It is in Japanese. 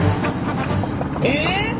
えっ！？